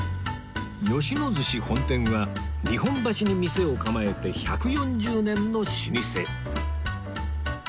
野鮨本店は日本橋に店を構えて１４０年の老舗